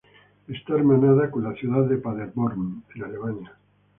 Está hermana con la ciudad de Paderborn, en Alemania.